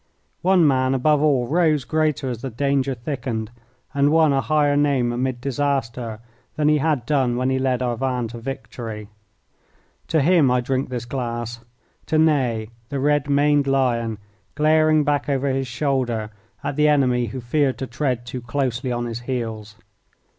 One man above all rose greater as the danger thickened, and won a higher name amid disaster than he had done when he led our van to victory. To him I drink this glass to Ney, the red maned Lion, glaring back over his shoulder at the enemy who feared to tread too closely on his heels.